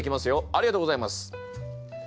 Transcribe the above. ありがとうございます！